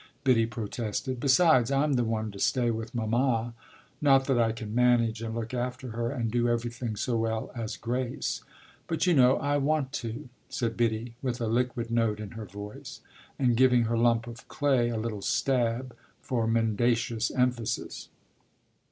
Biddy protested. "Besides, I'm the one to stay with mamma; not that I can manage and look after her and do everything so well as Grace. But, you know, I want to," said Biddy with a liquid note in her voice and giving her lump of clay a little stab for mendacious emphasis.